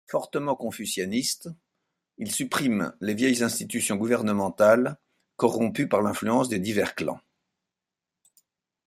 Fortement confucianiste, il supprime les vieilles institutions gouvernementales corrompues par l'influence des divers clans.